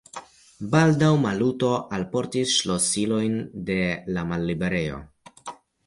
Baldaŭ Maluto alportis ŝlosilojn de la malliberejo.